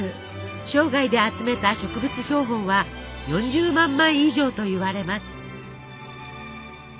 生涯で集めた植物標本は４０万枚以上といわれます。